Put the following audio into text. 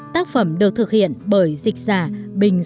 tác phẩm được thực hiện bởi dịch giả bình x